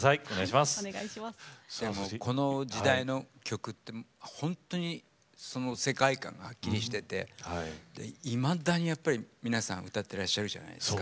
この時代の曲は本当にその世界観がはっきりしていていまだにやっぱり皆さん歌っていらっしゃるじゃないですか。